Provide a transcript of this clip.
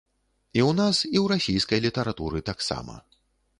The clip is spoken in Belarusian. І ў нас, і ў расійскай літаратуры таксама.